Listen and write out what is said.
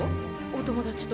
お友達と。